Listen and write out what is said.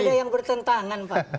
ada yang bertentangan pak